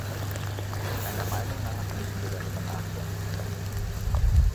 Meiner Meinung nach müssen wir darüber nachdenken.